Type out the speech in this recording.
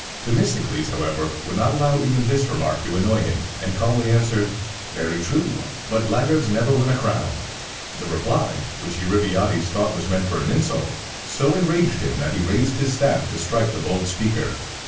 Themistocles, however, would not allow even this remark to annoy him, and calmly answered, "Very true, but laggards never win a crown!" The reply, which Eurybiades thought was meant for an insult, so enraged him that he raised his staff to strike the bold speaker.